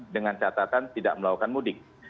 dengan catatan tidak melakukan mudik